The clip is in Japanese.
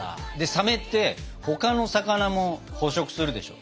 サメって他の魚も捕食するでしょ？